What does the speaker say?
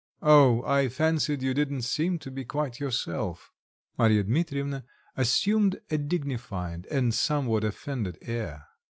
"Oh, I fancied you didn't seem to be quite yourself." Marya Dmitrievna assumed a dignified and somewhat offended air.